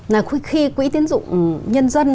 là khi quỹ tiến dụng nhân dân